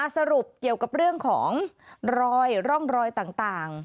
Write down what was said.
สรุปเกี่ยวกับเรื่องของรอยร่องรอยต่าง